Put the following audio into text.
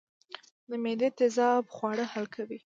د معدې تیزاب خواړه حل کوي